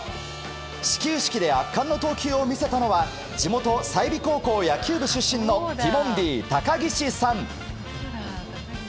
始球式で圧巻の投球を見せたのは地元・済美高校野球部出身のティモンディ高岸さん。